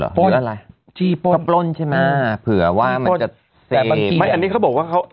ป้นอะไรจี้ป้นปล้นใช่ไหมอ่าเผื่อว่ามันจะแต่บางทีไม่อันนี้เขาบอกว่าเขา